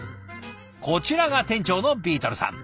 こちらが店長のビートルさん。